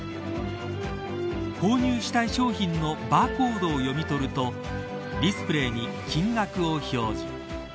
購入したい商品のバーコードを読み取るとディスプレーに金額を表示。